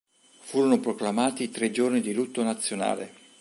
Furono proclamati tre giorni di lutto nazionale.